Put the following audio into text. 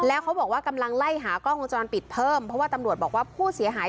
แล้วเขาบอกว่ากำลังไล่หากล้องวงจรปิดเพิ่มเพราะว่าตำรวจบอกว่าผู้เสียหาย